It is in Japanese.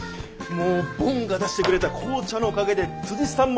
もうボンが出してくれた紅茶のおかげでさんもリフレッシュ。